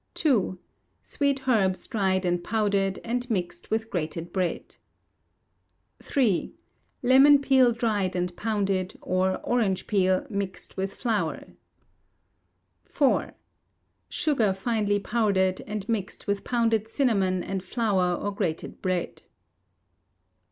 ii. Sweet herbs dried and powdered, and mixed with grated bread. iii. Lemon peel dried and pounded, or orange peel, mixed with flour. iv. Sugar finely powdered, and mixed with pounded cinnamon, and flour or grated bread.